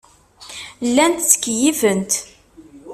Llant ttkeyyifent.